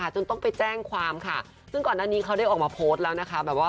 จนต้องไปแจ้งความค่ะซึ่งก่อนหน้านี้เขาได้ออกมาโพสต์แล้วนะคะ